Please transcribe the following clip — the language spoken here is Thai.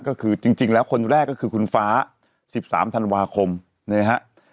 ก็คือจริงแล้วคนแรกก็คือคุณฟ้า๑๓ธันวาคมเนี่ยนะฮะ